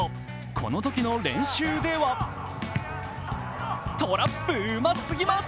このころの練習ではトラップ、うますぎます。